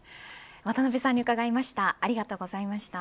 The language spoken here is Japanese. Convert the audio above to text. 渡辺さんに伺いました。